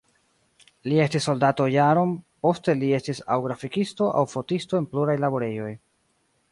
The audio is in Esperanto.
Li estis soldato jaron, poste li estis aŭ grafikisto, aŭ fotisto en pluraj laborejoj.